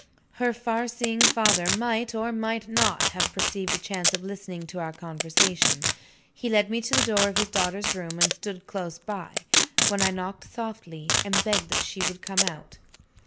Her far seeing father might or might not have perceived a chance of listening to our conversation. He led me to the door of his daughter's room; and stood close by, when I knocked softly, and begged that she would come out.